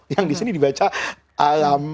yang di sini dibaca alam